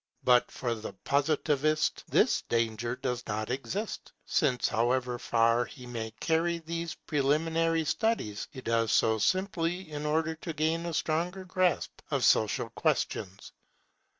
But for the Positivist this danger does not exist; since, however far he may carry these preliminary studies, he does so simply in order to gain a stronger grasp of social questions.